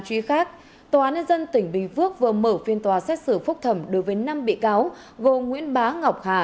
truy khác tòa án nhân dân tỉnh bình phước vừa mở phiên tòa xét xử phúc thẩm đối với năm bị cáo gồm nguyễn bá ngọc hà